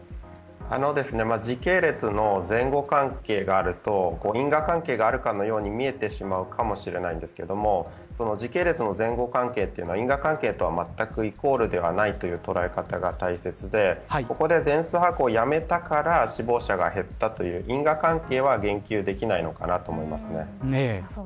時系列の前後関係があると因果関係があるかのように見えてしまうかもしれませんが時系列の前後関係は因果関係とはまったくイコールではないという考え方が大切でここで全数把握をやめたから死亡者が減ったという因果関係は言及できないのかなと思います。